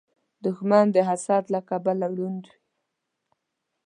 دښمن د حسد له کبله ړوند وي